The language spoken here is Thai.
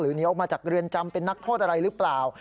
หนีออกมาจากเรือนจำเป็นนักโทษอะไรหรือเปล่า